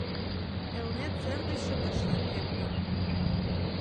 Элнет сер гычше ташлен лектын.